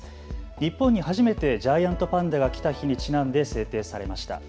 日本に初めてジャイアントパンダが来た日にちなんで制定されました。